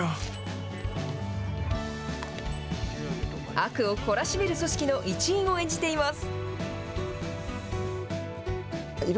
悪を懲らしめる組織の一員を演じています。